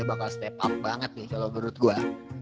dia bakal step up banget nih kalo menurut gua